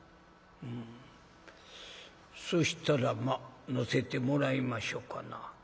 「うんそしたらまあ乗せてもらいましょうかな」。